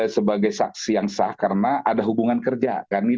sebagai saksi yang sah karena ada hubungan kerja